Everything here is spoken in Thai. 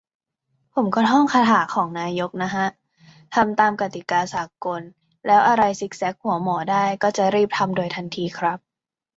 ผมก็จะท่องคาถาของนายกน่ะฮะ "ทำตามกติกาสากล" แล้วอะไรซิกแซกหัวหมอได้ ก็จะรีบทำโดยทันทีครับ